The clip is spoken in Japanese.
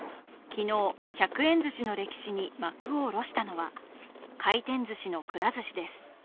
昨日、１００円ずしの歴史に幕を下ろしたのは、回転ずしのくら寿司です。